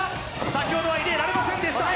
先ほどは入れられませんでした。